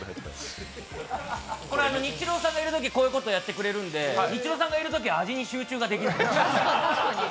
これニッチローさんがいるときこういうことをやってくれるんでニッチローさんがいるときは味に集中できない。